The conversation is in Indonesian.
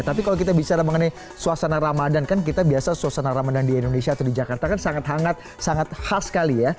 tapi kalau kita bicara mengenai suasana ramadan kan kita biasa suasana ramadan di indonesia atau di jakarta kan sangat hangat sangat khas sekali ya